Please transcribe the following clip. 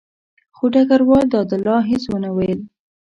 خو ډګروال دادالله هېڅ ونه ویل.